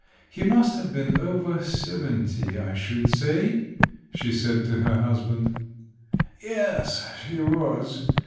He must have been over seventy, I should say?" she said to her husband. "Yes, he was.